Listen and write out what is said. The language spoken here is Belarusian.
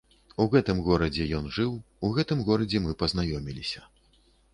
У гэтым горадзе ён жыў, у гэтым горадзе мы пазнаёміліся.